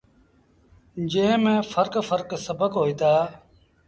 جݩهݩ ميݩ ڦرڪ ڦرڪ سبڪ هوئيٚتآ۔